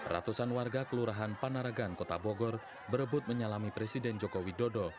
ratusan warga kelurahan panaragan kota bogor berebut menyalami presiden joko widodo